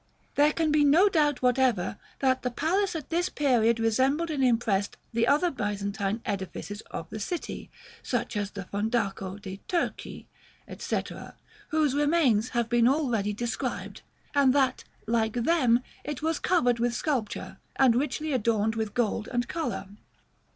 There can be no doubt whatever that the palace at this period resembled and impressed the other Byzantine edifices of the city, such as the Fondaco de Turchi, &c., whose remains have been already described; and that, like them, it was covered with sculpture, and richly adorned with gold and color.